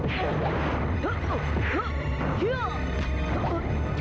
jangan berdiri juma